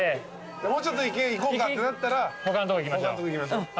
もうちょっといこうかってなったら他んとこ行きましょう。